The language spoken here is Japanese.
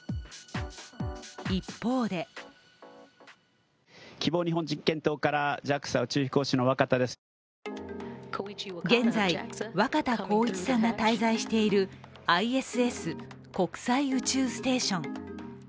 一方で現在、若田光一さんが滞在しているＩＳＳ＝国際宇宙ステーション。